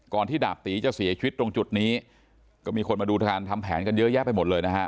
ที่ดาบตีจะเสียชีวิตตรงจุดนี้ก็มีคนมาดูการทำแผนกันเยอะแยะไปหมดเลยนะฮะ